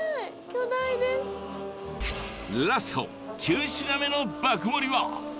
ラスト９品目の爆盛りは。